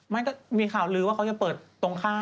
ไม่มีข่าวลือว่าเขาจะเปิดตรงข้าม